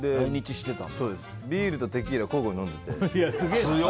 ビールとテキーラ交互に飲んでて。